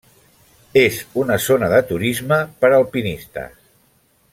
És una zona de turisme per alpinistes.